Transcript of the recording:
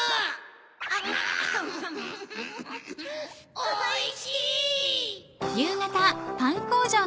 ・おいしい！